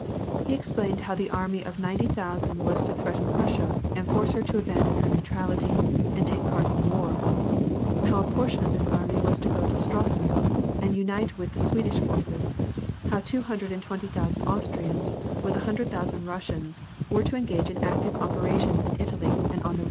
He explained how an army of ninety thousand was to threaten Prussia and force her to abandon her neutrality and take i)art in the war; how a portion of this army was to go to Stralsund and unite with the Swedish forces; how two hundred and twenty thousand Austrians, with a hundred thousand Rus sians, were to engage in active operations in Italy and on the 116 WAR AND PEACE.